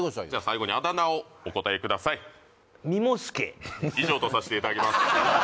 最後にあだ名をお答えください以上とさせていただきます